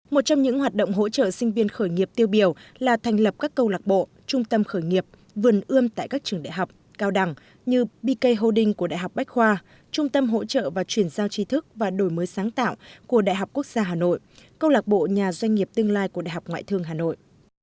một trong những hoạt động hỗ trợ sinh viên khởi nghiệp tiêu biểu là thành lập các câu lạc bộ trung tâm khởi nghiệp vườn ươm tại các trường đại học cao đẳng như bk holding của đại học bách khoa trung tâm hỗ trợ và chuyển giao trí thức và đổi mới sáng tạo của đại học quốc gia hà nội câu lạc bộ nhà doanh nghiệp tương lai của đại học ngoại thương hà nội